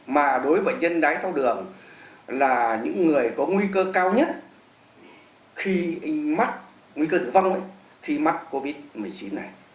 mà đối với bệnh nhân đại tháo đường là những người có nguy cơ cao nhất khi mắc nguy cơ tử vong ấy khi mắc covid một mươi chín này